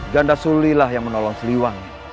ganda sulilah yang menolong seliwang